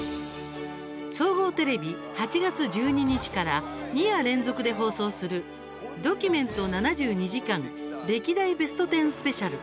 総合テレビ８月１２日から２夜連続で放送する「ドキュメント７２時間歴代ベスト１０スペシャル」。